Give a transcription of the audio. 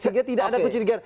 sehingga tidak ada kecurigaan